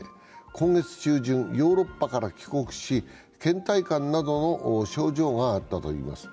今月中旬、ヨーロッパから帰国し、けん怠感などの症状があったといいます。